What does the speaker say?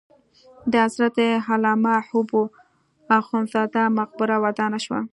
د حضرت علامه حبو اخند زاده مقبره ودانه شوه.